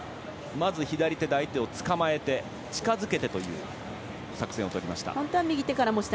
まず左手で相手をつかまえて近づけてという作戦をとりました。